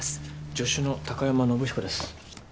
助手の貴山伸彦です。